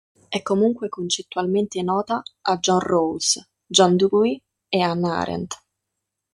È comunque concettualmente nota a John Rawls, John Dewey e Hannah Arendt.